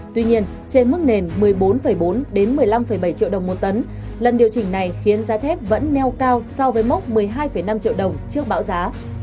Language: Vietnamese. tuy nhiên trên mức nền một mươi bốn bốn một mươi năm bảy triệu đồng một tấn lần điều chỉnh này khiến giá thép vẫn neo cao so với mốc một mươi hai năm triệu đồng trước bão giá